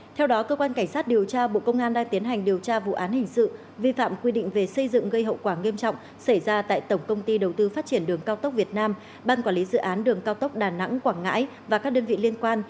theo đó cơ quan cảnh sát điều tra bộ công an đang tiến hành điều tra vụ án hình sự vi phạm quy định về xây dựng gây hậu quả nghiêm trọng xảy ra tại tổng công ty đầu tư phát triển đường cao tốc việt nam ban quản lý dự án đường cao tốc đà nẵng quảng ngãi và các đơn vị liên quan